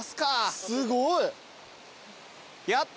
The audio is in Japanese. すごい。やった。